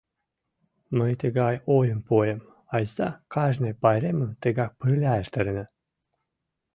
Мый тыгай ойым пуэм: айста кажне пайремым тыгак пырля эртарена.